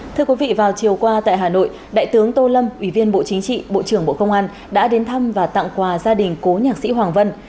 thưa quý vị vào chiều qua tại hà nội đại tướng tô lâm ủy viên bộ chính trị bộ trưởng bộ công an đã đến thăm và tặng quà gia đình cố nhạc sĩ hoàng vân